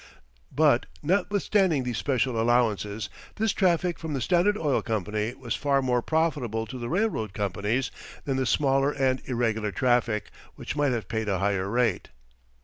But notwithstanding these special allowances, this traffic from the Standard Oil Company was far more profitable to the railroad companies than the smaller and irregular traffic, which might have paid a higher rate.